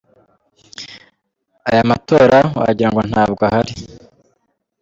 Aya matora wagira ngo ntabwo ahari.